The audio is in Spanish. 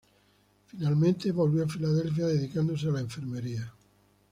Finalmente volvió a Filadelfia, dedicándose a la enfermería.